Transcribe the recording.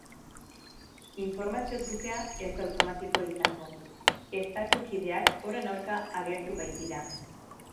Informazio trukea ez da automatikoa izango, estatu-kideak horren aurka agertu baitira.